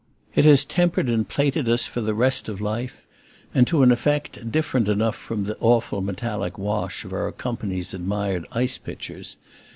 It has tempered and plated us for the rest of life, and to an effect different enough from the awful metallic wash of our Company's admired ice pitchers.